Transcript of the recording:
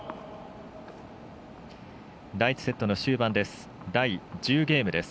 第１セットの終盤です。